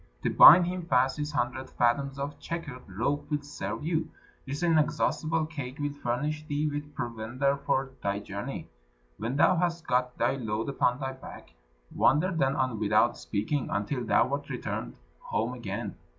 To bind him fast this hundred fathoms of checkered rope will serve you. This inexhaustible cake will furnish thee with provender for thy journey. When thou hast got thy load upon thy back, wander then on without speaking, until thou art returned home again.